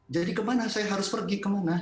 jadi kemana saya harus pergi kemana